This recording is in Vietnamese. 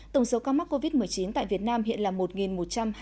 tổng số ca mắc covid một mươi chín tại việt nam hiện là một một trăm hai mươi ca